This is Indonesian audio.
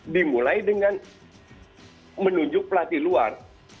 dimulai dengan menunjuk pelatih luar